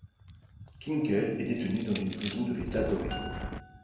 Kinkel est détenu dans une prison de l'état d'Oregon.